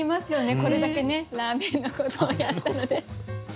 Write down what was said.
これだけねラーメンのことをやったので。